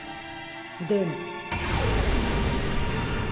でも。